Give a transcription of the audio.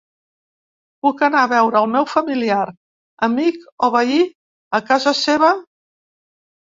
Puc anar a veure el meu familiar, amic o veí a casa seva?